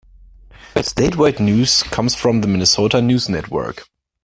Statewide news comes from the Minnesota News Network.